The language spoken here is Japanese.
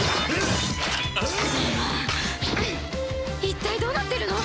一体どうなってるの？